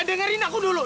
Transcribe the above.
dengerin aku dulu